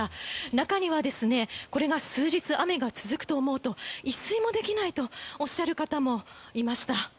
中にはこれが数日、雨が続くと思うと一睡もできないとおっしゃる方もいました。